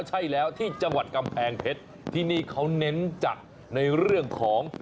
ใช่แล้วที่จังหวัดกำแพงเพชรที่นี่เขาเน้นจัดในเรื่องของ